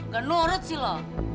gak nurut sih lo